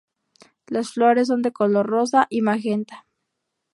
Las flores son de color rosa y magenta.